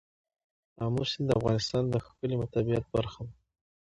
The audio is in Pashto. آمو سیند د افغانستان د ښکلي طبیعت برخه ده.